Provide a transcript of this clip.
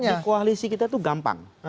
nah kalau di koalisi kita itu gampang